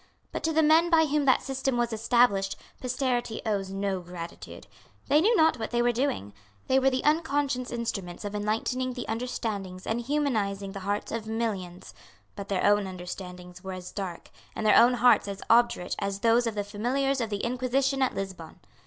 But to the men by whom that system was established posterity owes no gratitude. They knew not what they were doing. They were the unconscious instruments of enlightening the understandings and humanising the hearts of millions. But their own understandings were as dark and their own hearts as obdurate as those of the Familiars of the Inquisition at Lisbon.